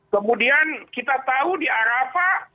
kemudian kita tahu di arafah